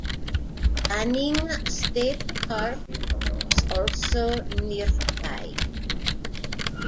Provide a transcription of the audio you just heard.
Banning State Park is also nearby.